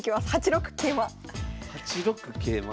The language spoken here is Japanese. ８六桂馬？